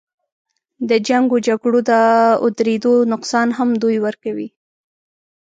د جنګ و جګړو د اودرېدو نقصان هم دوی ورکوي.